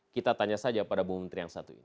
kita tanya saja pada bu menteri yang satu ini